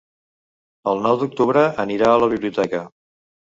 El nou d'octubre anirà a la biblioteca.